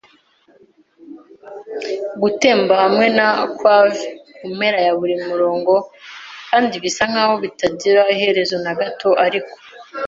gutemba hamwe na quaver kumpera ya buri murongo, kandi bisa nkaho bitagira iherezo na gato ariko